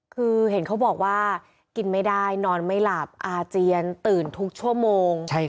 คือเห็นเขาบอกว่ากินไม่ได้นอนไม่หลับอาเจียนตื่นทุกชั่วโมง